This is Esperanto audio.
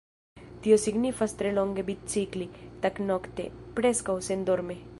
Tio signifas tre longe bicikli, tagnokte, preskaŭ sendorme.